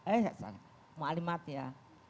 eh mau alimat ya